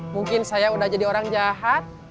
mungkin saya udah jadi orang jahat